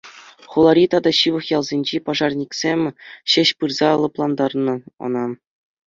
Хулари тата ҫывӑх ялсенчи пожарниксем ҫеҫ пырса лӑплантарнӑ ӑна.